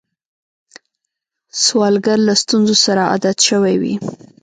سوالګر له ستونزو سره عادت شوی وي